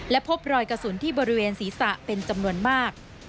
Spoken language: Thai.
และพบรอยกระสุนที่บริเวณศีรษะเป็นจำนวนมาก